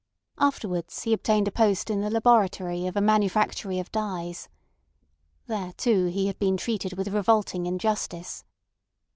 Afterwards he obtained a post in the laboratory of a manufactory of dyes. There too he had been treated with revolting injustice.